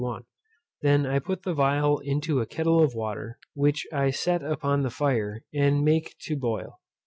1. I then put the phial into a kettle of water, which I set upon the fire and make to boil.